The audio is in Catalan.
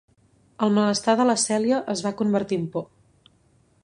El malestar de la Celia es va convertir en por.